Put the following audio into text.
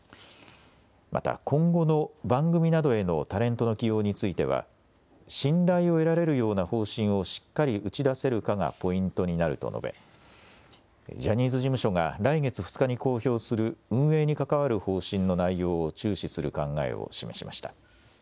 また今後の番組などへのタレントの起用については信頼を得られるような方針をしっかり打ち出せるかがポイントになると述べジャニーズ事務所が来月２日に公表する運営に関わる方針の内容を注視する考えを示しました。